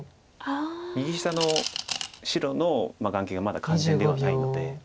右下の白の眼形がまだ完全ではないので。